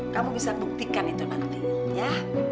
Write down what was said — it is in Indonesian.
kamu bisa buktikan itu nanti ya